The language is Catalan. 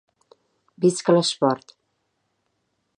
Visca l'esport!